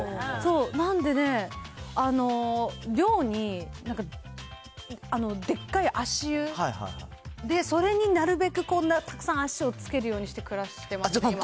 なんでね、寮に、なんかでっかい足湯で、それになるべくたくさん足をつけるように暮らしてますね、今。